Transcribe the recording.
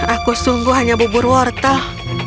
aku sungguh hanya bubur wortel